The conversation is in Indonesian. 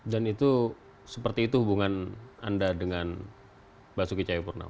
dan itu seperti itu hubungan anda dengan basuki chaya purnama